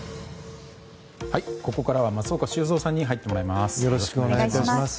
ここからは松岡修造さんに入っていただきます。